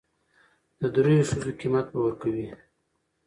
د درېو ښځو قيمت به ور کوي.